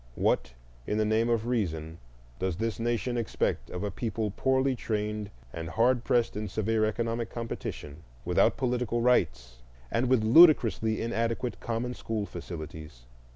What in the name of reason does this nation expect of a people, poorly trained and hard pressed in severe economic competition, without political rights, and with ludicrously inadequate common school facilities?